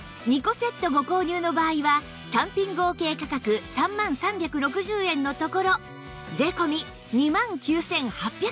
２個セットご購入の場合は単品合計価格３万３６０円のところ税込２万９８００円